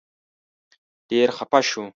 ډېر خپه شو.